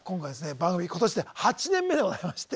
番組今年で８年目でございまして。